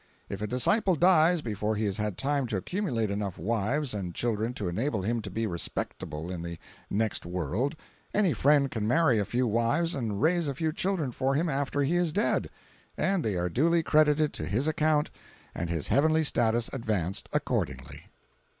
If a disciple dies before he has had time to accumulate enough wives and children to enable him to be respectable in the next world any friend can marry a few wives and raise a few children for him after he is dead, and they are duly credited to his account and his heavenly status advanced accordingly.